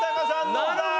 どうだ？